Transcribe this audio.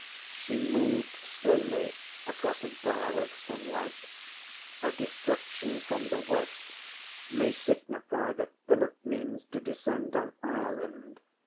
ŌĆÖ She moved slowly across a bar of sunlight. ŌĆśA destruction from the West may signify that Philip means to descend on Ireland.